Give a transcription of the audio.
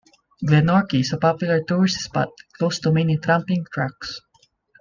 Glenorchy is a popular tourist spot, close to many tramping tracks.